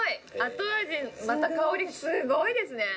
後味また香りすごいですね。